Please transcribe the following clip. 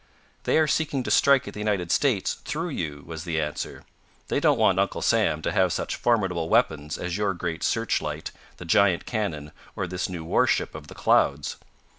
"They are seeking to strike at the United States through you," was the answer. "They don't want Uncle Sam to have such formidable weapons as your great searchlight, the giant cannon, or this new warship of the clouds."